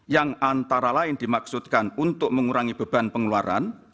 yang antara lain dimaksudkan untuk mengurangi beban pengeluaran